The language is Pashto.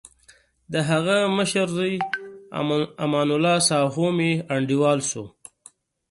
دهغه مشر زوی امان الله ساهو مې انډیوال شو.